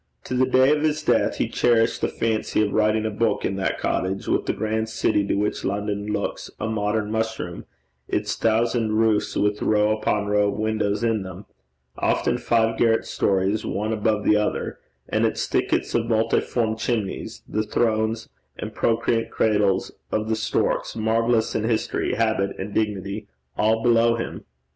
To the day of his death he cherished the fancy of writing a book in that cottage, with the grand city to which London looks a modern mushroom, its thousand roofs with row upon row of windows in them often five garret stories, one above the other, and its thickets of multiform chimneys, the thrones and procreant cradles of the storks, marvellous in history, habit, and dignity all below him.